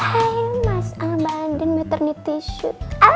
hai mas al banding meterni tisu